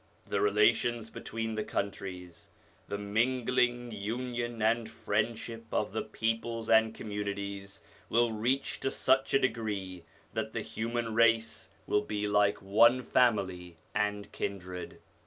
The relations between the countries, the mingling, union, and friend ship of the peoples and communities, will reach to such a degree that the human race will be like one family and kindred.